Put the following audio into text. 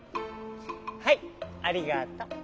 はいありがとう。